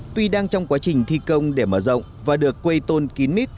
tuy đang trong quá trình thi công để mở rộng và được quây tôn kín mít